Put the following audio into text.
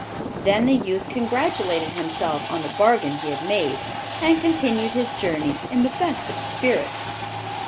Then the youth congratulated himself on the bargain he had made, and continued his journey in the best of spirits.